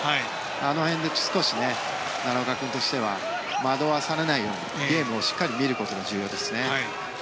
あの辺で奈良岡君としては惑わされないようにゲームをしっかり見ることが重要ですね。